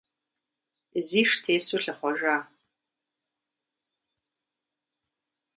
Зиш тесу лъыхъуэжа.